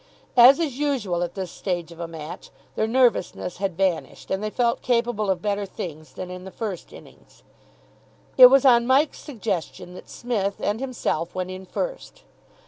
As is usual at this stage of a match, their nervousness had vanished, and they felt capable of better things than in the first innings. It was on Mike's suggestion that Psmith and himself went in first.